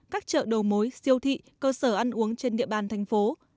các chợ đầu mối siêu thị cơ sở ăn uống trên địa bàn thành phố